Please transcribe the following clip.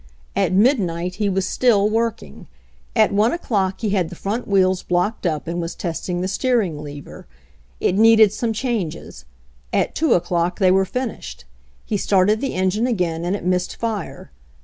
At midnight he was still working. At I o'clock he had the front wheels blocked up and was test ing the steering lever. It needed some changes. At 2 o'clock they were finished. He started the engine again and it missed fire.